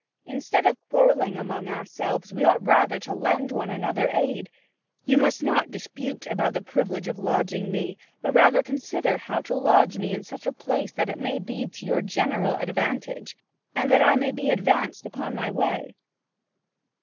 Instead of quarrelling among ourselves, we ought rather to lend one another aid. You must not dispute about the privilege of lodging me, but rather consider how to lodge me in such a place that it may be to your general advantage, and that I may be advanced upon my way."